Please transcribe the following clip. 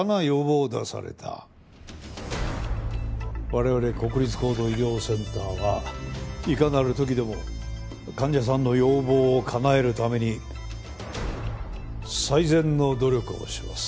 我々国立高度医療センターはいかなる時でも患者さんの要望をかなえるために最善の努力をします。